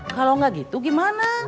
kalau enggak gitu gimana